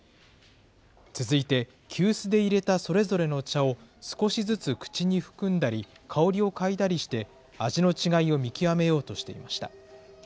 続いて、急須で入れたそれぞれの茶を少しずつ口に含んだり、香りを嗅いだりして、味の違いを見極めようとしていました。